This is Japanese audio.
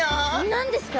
何ですか？